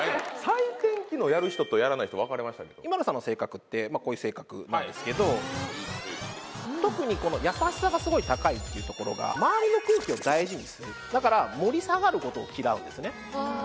採点機能やる人とやらない人分かれましたけどＩＭＡＬＵさんの性格ってまあこういう性格なんですけど特にこの優しさがすごい高いっていうところが周りの空気を大事にするだから盛り下がることを嫌うんですねああ